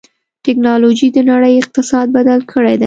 ټکنالوجي د نړۍ اقتصاد بدل کړی دی.